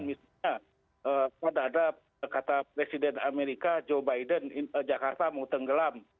misalnya pada ada kata presiden amerika joe biden jakarta mau tenggelam